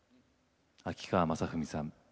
秋川雅史さん